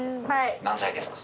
何歳ですか？